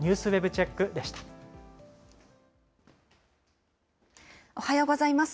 チェッおはようございます。